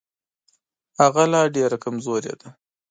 هغه لا ډېره کمزورې ده.